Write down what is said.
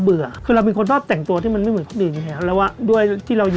เพราะว่าอะไรได้ดีกว่า